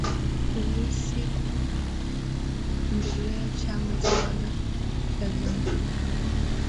polisi kwa kukipendelea chama tawala cha Zanu